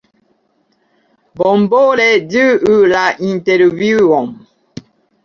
Bonvole ĝuu la intervjuon!